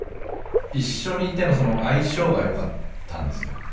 一緒にいての相性が良かったんですよ。